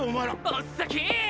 おっ先ぃ！